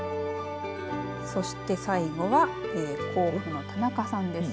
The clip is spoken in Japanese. そして最後は甲府の田中さんです。